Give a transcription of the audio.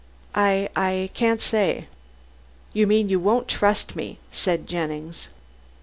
"I I can't say." "You mean you won't trust me," said Jennings.